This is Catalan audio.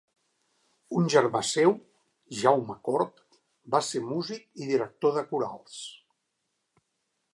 Un germà seu, Jaume Cort, va ser músic i director de corals.